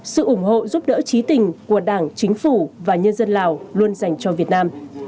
sự ủng hộ giúp đỡ trí tình của đảng chính phủ và nhân dân lào luôn dành cho việt nam